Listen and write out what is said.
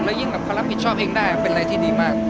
แล้วยิ่งแบบเขารับผิดชอบเองได้เป็นอะไรที่ดีมาก